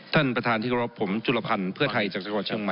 ท่านประธานที่เคารพผมจุลพันธ์เพื่อไทยจากจังหวัดเชียงใหม่